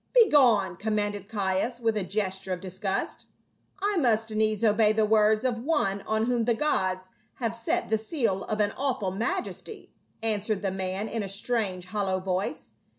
"Begone!" commanded Caius with a gesture of disgust. " I must needs obey the words of one on whom the gods have set the seal of an awful majesty," answered the man in a strange hollow voice.